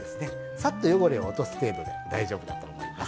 さっと汚れを落とす程度で大丈夫だと思います。